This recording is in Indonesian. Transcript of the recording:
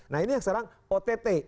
nah ini yang sekarang ott